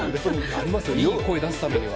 ありますよ、いい声出すためには。